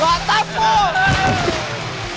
เกาะตะปู